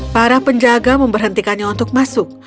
para penjaga memberhentikannya untuk masuk